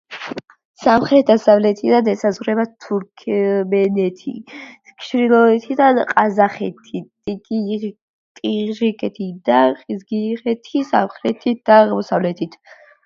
სამხრეთ-დასავლეთიდან ესაზღვრება თურქმენეთი, ჩრდილოეთიდან ყაზახეთი, ტაჯიკეთი და ყირგიზეთი სამხრეთით და აღმოსავლეთით.